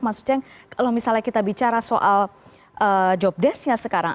mas uceng kalau misalnya kita bicara soal jobdesk nya sekarang